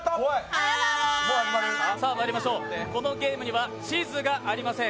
このゲームには地図がありません。